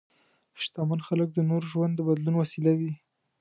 شتمن خلک د نورو ژوند د بدلون وسیله وي.